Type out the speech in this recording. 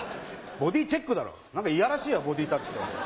ボディーチェックだろ何かいやらしいわボディータッチ。